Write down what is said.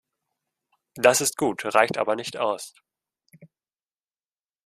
Das ist gut, reicht aber nicht aus.